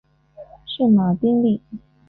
圣马丁利。